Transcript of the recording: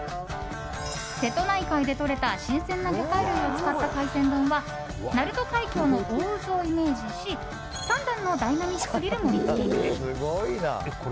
瀬戸内海でとれた新鮮な魚介類を使った海鮮丼は鳴門海峡の大渦をイメージし３段のダイナミックすぎる盛り付けに。